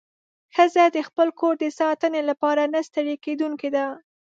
ښځه د خپل کور د ساتنې لپاره نه ستړې کېدونکې ده.